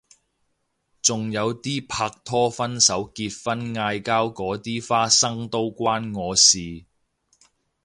仲有啲拍拖分手結婚嗌交嗰啲花生都關我事